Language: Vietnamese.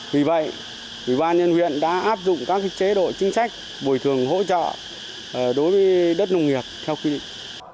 vì vậy ủy ban nhân huyện đã áp dụng các chế độ chính sách bồi thường hỗ trợ đối với đất nông nghiệp theo quy định